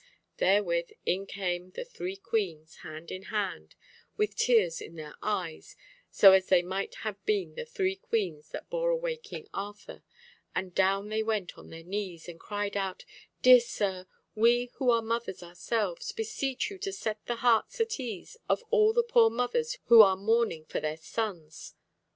Therewith, in came the three queens, hand in hand, with tears in their eyes, so as they might have been the three queens that bore away King Arthur, and down they went on their knees, and cried aloud 'Dear sir, we who are mothers ourselves, beseech you to set the hearts at ease of all the poor mothers who are mourning for their sons.